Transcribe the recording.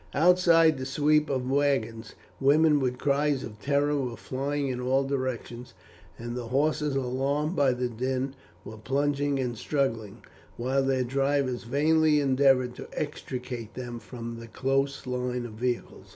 Outside the sweep of wagons women with cries of terror were flying in all directions, and the horses, alarmed by the din, were plunging and struggling, while their drivers vainly endeavoured to extricate them from the close line of vehicles.